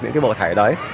những cái bộ thẻ đấy